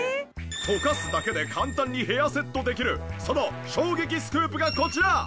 とかすだけで簡単にヘアセットできるその衝撃スクープがこちら。